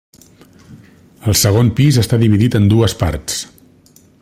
El segon pis està dividit en dues parts.